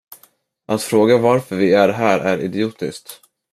Att fråga varför vi är här är idiotiskt.